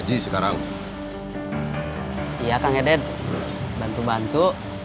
iya kang edet bantu bantu